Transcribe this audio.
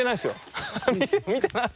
見てない。